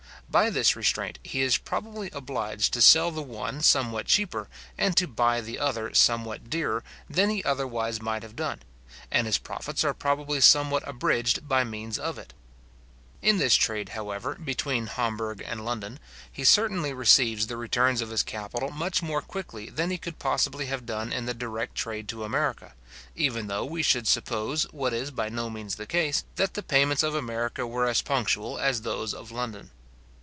By this restraint he is probably obliged to sell the one somewhat cheaper, and to buy the other somewhat dearer, than he otherwise might have done; and his profits are probably somewhat abridged by means of it. In this trade, however, between Hamburg and London, he certainly receives the returns of his capital much more quickly than he could possibly have done in the direct trade to America, even though we should suppose, what is by no means the case, that the payments of America were as punctual as those of London.